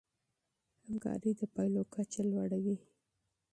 همکاري د پايلو کچه لوړوي.